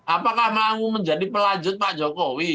apakah mau menjadi pelanjut pak jokowi